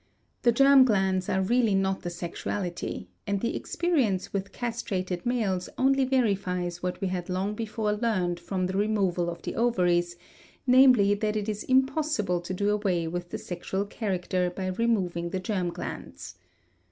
The germ glands are really not the sexuality, and the experience with castrated males only verifies what we had long before learned from the removal of the ovaries, namely that it is impossible to do away with the sexual character by removing the germ glands.